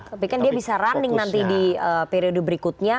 tapi kan dia bisa running nanti di periode berikutnya